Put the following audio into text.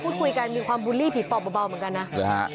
พูดคุยกันมีความบูลลี่ผีปอบเบาเหมือนกันนะหรือฮะ